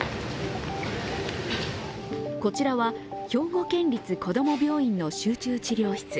こちらは兵庫県立こども病院の集中治療室。